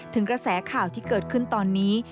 กระแสข่าวที่เกิดขึ้นตอนนี้